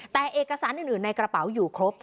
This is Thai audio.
แต่เอกสารอื่นในกระเป๋าอยู่ครบ